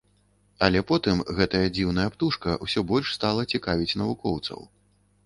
Але потым гэтая дзіўная птушка ўсё больш стала цікавіць навукоўцаў.